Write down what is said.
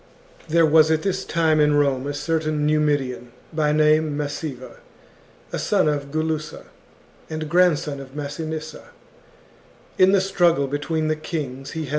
There was at this time in Rome a certain Numidian, by name Massiva, a son of Gulussa, and grandson of THE TUGURTHINE WAR. l6l Massinissa. In the struggle between the kings he had chap.